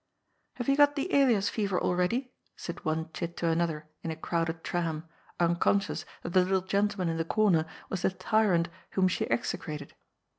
*' Have you got the Elias f ever already ?" said one chit to another in a crowded tram, unconscious that the little gentleman in the comer was the tyrant whom she ex ecrated.